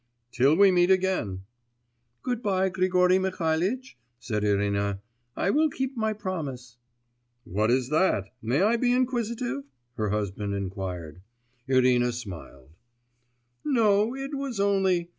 'Till we meet again!' 'Good bye, Grigory Mihalitch,' said Irina. 'I will keep my promise.' 'What is that? May I be inquisitive?' her husband queried. Irina smiled. 'No, it was only